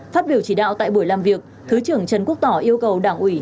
phát biểu chỉ đạo tại buổi làm việc thứ trưởng trần quốc tỏ yêu cầu đảng ủy